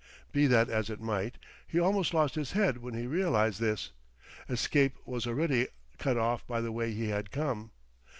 Be that as it might he almost lost his head when he realized this escape was already cut off by the way he had come.